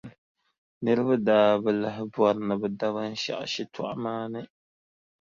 Niriba daa bi lahi bɔri ni bɛ da binshɛɣu shitɔɣu maa ni.